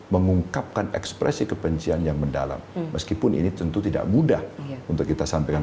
mengungkapkan ekspresi kebencian yang mendalam meskipun ini tentu tidak mudah untuk kita sampaikan